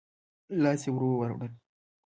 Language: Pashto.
لاس يې ور ووړ.